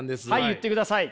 言ってください。